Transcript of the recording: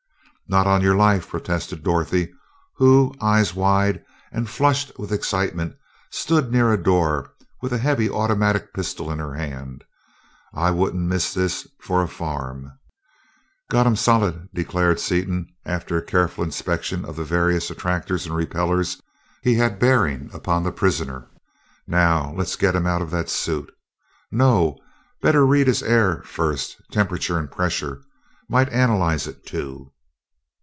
"Not on your life!" protested Dorothy, who, eyes wide and flushed with excitement, stood near a door, with a heavy automatic pistol in her hand. "I wouldn't miss this for a farm!" "Got him solid," declared Seaton, after a careful inspection of the various attractors and repellers he had bearing upon the prisoner, "Now let's get him out of that suit. No better read his air first, temperature and pressure might analyze it, too."